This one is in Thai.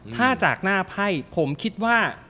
ถ้าจากหน้าไพ่ผมคิดว่า